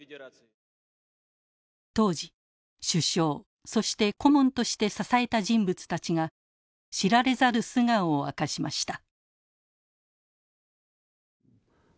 当時首相そして顧問として支えた人物たちが知られざる素顔を明かしました。